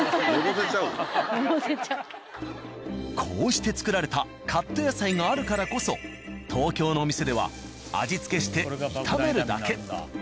こうして作られたカット野菜があるからこそ東京のお店では味付けして炒めるだけ。